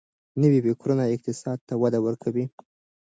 نوي فکرونه اقتصاد ته وده ورکوي.